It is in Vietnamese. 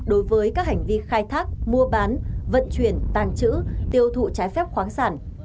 đối với các hành vi khai thác mua bán vận chuyển tàng trữ tiêu thụ trái phép khoáng sản